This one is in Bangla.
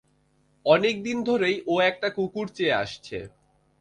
অনেকদিন ধরেই ও একটা কুকুর চেয়ে আসছে।